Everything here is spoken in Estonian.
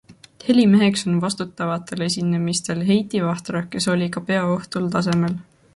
Helimeheks on vastutavatel esinemistel Heiti Vahtra, kes oli ka peoõhtul tasemel.